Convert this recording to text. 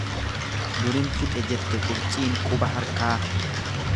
Durin fixe jette qurciin quba harkaa.